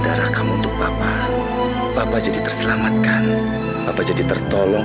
darah kamu untuk bapak bapak jadi terselamatkan bapak jadi tertolong